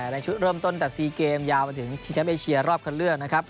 ในชุดเริ่มต้นแต่๔เกมยาวมาถึงชิงแชมป์เอเชียรอบคันเลือกนะครับ